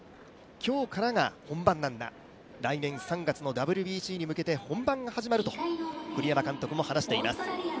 今日からが本番なんだ、来年３月のＷＢＣに向けて本番が始まると、栗山監督も話しています。